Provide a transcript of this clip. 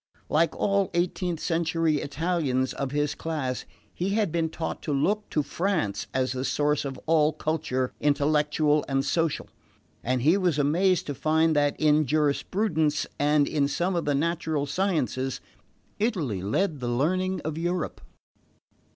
Like all eighteenth century Italians of his class he had been taught to look to France as the source of all culture, intellectual and social; and he was amazed to find that in jurisprudence, and in some of the natural sciences, Italy led the learning of Europe.